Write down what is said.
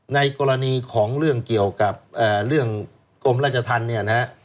ในกรณีของเรื่องเกี่ยวกับเรื่องกรมราชธรรมเนี่ยนะฮะ